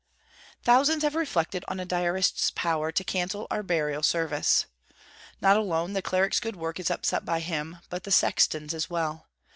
Thousands have reflected on a Diarist's power to cancel our Burial Service. Not alone the cleric's good work is upset by him; but the sexton's as well.